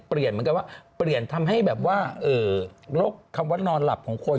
เหมือนกันว่าเปลี่ยนทำให้แบบว่าโรคคำว่านอนหลับของคน